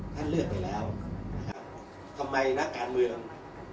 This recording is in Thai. ท่านเลือกไปแล้วนะครับทำไมนักการเมือง